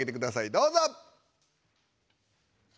どうぞ！